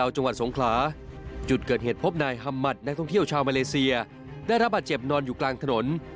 จังหวัดสงขลาจุดเกิดเหตุพบนายฮัมมัตินักท่องเที่ยวชาวมาเลเซียได้รับบาดเจ็บนอนอยู่กลางถนน